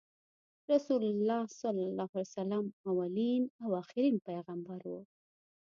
رسول الله ص اولین او اخرین پیغمبر وو۔